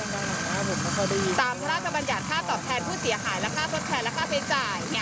ตามพระราชบัญญัติค่าตอบแทนผู้เสียหายและค่าทดแทนและค่าใช้จ่าย